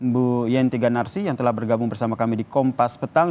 bu yanti ganarsi yang telah bergabung bersama kami di kompas petang